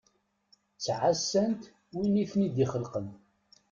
Ttɛasant win iten-id-ixelqen.